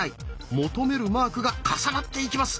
求めるマークが重なっていきます。